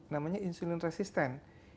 namanya insulin resisten